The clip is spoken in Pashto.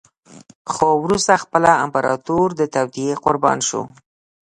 خو وروسته خپله امپراتور د توطیې قربان شو.